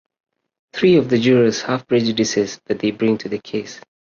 Three of the jurors have prejudices that they bring to the case.